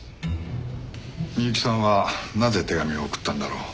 美雪さんはなぜ手紙を送ったんだろう？